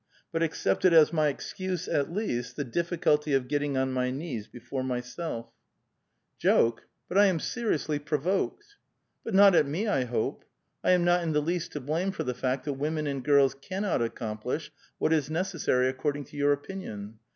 But accept as my excuse at least the difficulty of getting on my knees before myself." 442 A VITAL QUESTION. " Joke ! but I am seriously provoked." *•*' But not at me, I hope? I am not in the least to blame for the fact that women and girls cannot accomplish what is necessary according to your opinion.